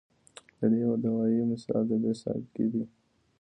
د دې دوائي مثال د بې ساکۍ دے